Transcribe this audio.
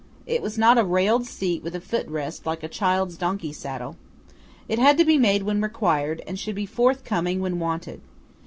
It was not a railed seat with a foot rest, like a child's donkey saddle. It had to be made when required, and should be forthcoming when wanted.